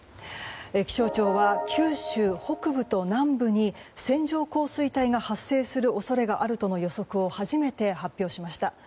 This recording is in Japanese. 気象庁は九州北部と南部に線状降水帯が発生する恐れがあるとの予測を初めて発表しました。